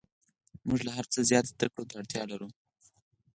موږ له هر څه زیات زده کړو ته اړتیا لرو